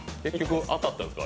当たったんですか？